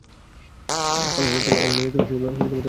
আমার নানি তো তার চেয়ে বেশি বিপজ্জনক।